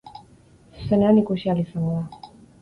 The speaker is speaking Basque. Zuzenean ikusi ahal izango da.